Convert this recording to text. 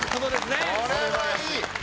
これはいい！